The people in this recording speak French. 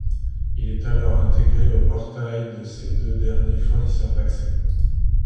Il est alors intégré aux portails de ces deux derniers fournisseurs d'accès.